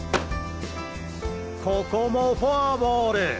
ここもフォアボール！